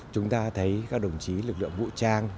chúng ta thấy các đồng chí lực lượng vũ trang